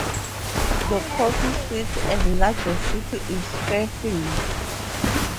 The county seat and largest city is Fairfield.